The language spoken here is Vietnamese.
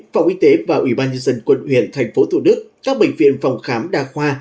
phòng y tế và ủy ban nhân dân quân huyện tp thủ đức các bệnh viện phòng khám đa khoa